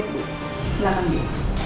baik bu selamat pagi